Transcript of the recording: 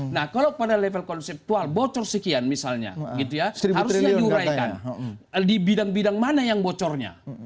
nah kalau pada level konseptual bocor sekian misalnya gitu ya harusnya diuraikan di bidang bidang mana yang bocornya